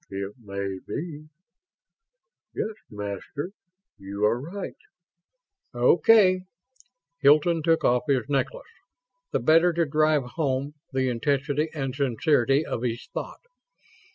"It may be.... Yes, Master, you are right." "Okay." Hilton took off his necklace, the better to drive home the intensity and sincerity of his thought.